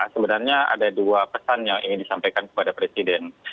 sebenarnya ada dua pesan yang ingin disampaikan kepada presiden